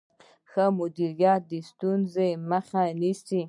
ښه مدیریت د ستونزو مخه نیسي.